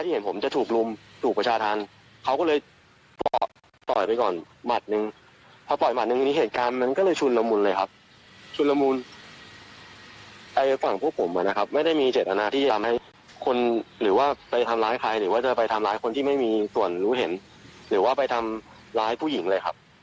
หรือว่าไปทำร้ายผู้หญิงเลยครับ